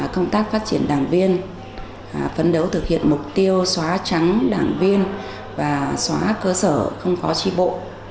công tác phát triển đảng viên phấn đấu thực hiện mục tiêu xóa trắng đảng viên và xóa cơ sở không có tri bộ